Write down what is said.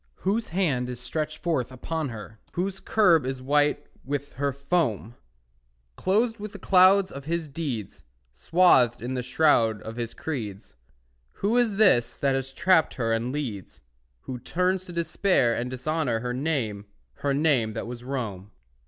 Whose hand is stretched forth upon her? Whose curb is white with her foam? Clothed with the cloud of his deeds, Swathed in the shroud of his creeds, Who is this that has trapped her and leads, Who turns to despair and dishonour Her name, her name that was Rome?